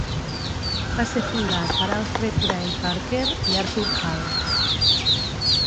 Va ser fundat per Alfred Gray Parker i Arthur Hale.